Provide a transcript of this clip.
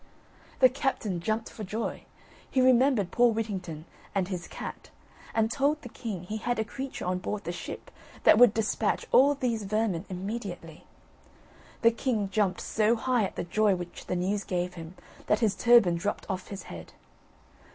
The captain jumped for joy; he remembered poor Whittington and his cat, and told the king he had a creature on board the ship that would despatch all these vermin immediately. The king jumped so high at the joy which the news gave him, that his turban dropped off his head.